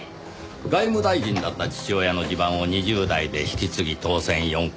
外務大臣だった父親の地盤を２０代で引き継ぎ当選４回。